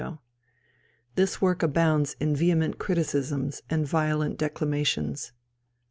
This work abounds in vehement criticisms and violent declamations.